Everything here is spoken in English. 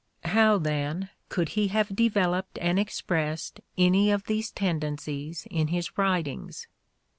How, then, could he have developed and expressed any of these tendencies in his writings